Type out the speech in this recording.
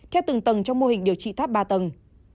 theo từng tầng trong mô hình điều trị tháp ba tầng